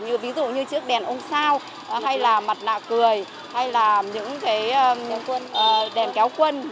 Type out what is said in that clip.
như ví dụ như chiếc đèn ông sao hay là mặt nạ cười hay là những cái đèn kéo quân